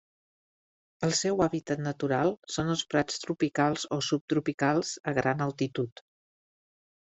El seu hàbitat natural són els prats tropicals o subtropicals a gran altitud.